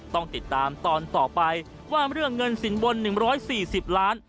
ต้องติดตามตอนต่อไปว่าเรื่องเงินสินบน๑๔๐ล้าน